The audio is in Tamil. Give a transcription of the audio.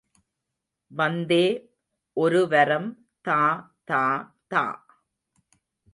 வந்தே ஒருவரம் தா தா தா.